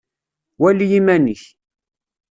Wali iman-ik.